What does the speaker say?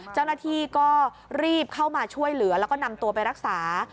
เจ้าหน้าที่ก็รีบเข้ามาช่วยเหลือแล้วก็นำตัวไปรักษา